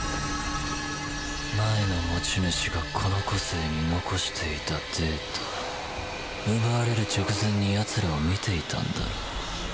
前の持ち主がこの個性に残していたデータ奪われる直前に奴らを見ていたんだろう。